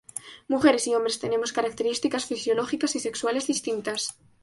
Mujeres y hombres tenemos características fisiológicas y sexuales distintas.